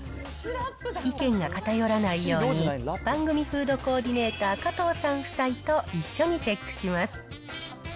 意見が偏らないように、番組フードコーディネーター、加藤さん夫妻と一緒にチェックします。